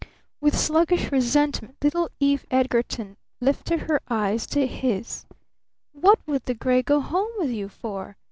With sluggish resentment little Eve Edgarton lifted her eyes to his. "What would the gray go home with you for?"